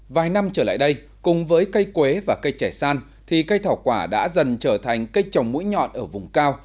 vài năm trở lại đây cùng với cây quế và cây trẻ san thì cây thảo quả đã dần trở thành cây trồng mũi nhọn ở vùng cao